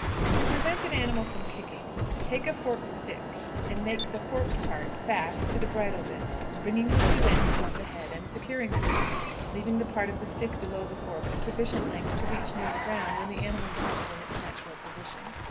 To prevent an animal from kicking, take a forked stick and make the forked part fast to the bridle bit, bringing the two ends above the head and securing them there, leaving the part of the stick below the fork of sufficient length to reach near the ground when the animal's head is in its natural position.